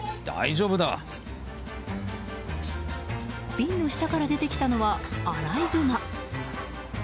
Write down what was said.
瓶の下から出てきたのはアライグマ。